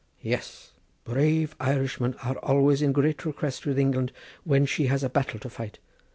"Yes, brave Irishmen are always in great request with England when she has a battle to fight.